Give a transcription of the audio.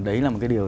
đấy là một cái điều